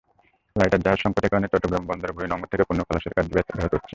Lighter জাহাজ-সংকটের কারণে চট্টগ্রাম বন্দরের বহির্নোঙর থেকে পণ্য খালাসের কাজ ব্যাহত হচ্ছে।